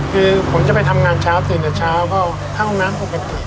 คือผมจะไปทำงานเช้าตื่นแต่เช้าก็เข้าห้องน้ำปกติ